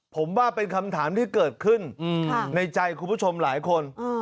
ผมว่าเป็นคำถามที่เกิดขึ้นในใจคุณผู้ชมหลายคน